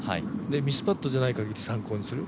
ミスパットじゃない限り参考にする。